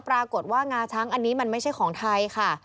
ปรากฏว่างาช้างอันนี้มันไม่ใช่ของไทยค่ะ